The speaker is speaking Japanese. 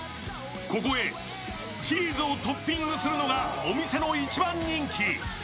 ここへ、チーズをトッピングするのがお店の一番人気。